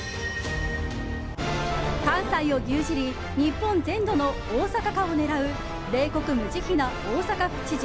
関西を牛耳り日本全土の大阪化を狙う冷酷無慈悲な大阪府知事